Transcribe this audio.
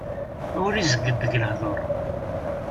Ur izegged deg lehdur.